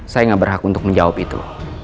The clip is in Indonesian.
saya gak berhak untuk menjawab itu